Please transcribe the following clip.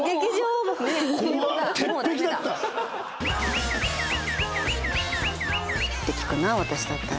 怖っ！って聞くな私だったら。